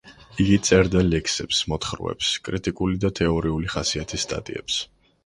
იგი წერდა ლექსებს, მოთხრობებს, კრიტიკული და თეორიული ხასიათის სტატიებს.